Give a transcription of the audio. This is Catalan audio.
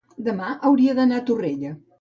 Demà hauria d'anar a Torrella.